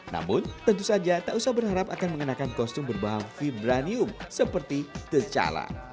namun tentu saja tak usah berharap akan mengenakan kostum berbahan vibranium seperti the cala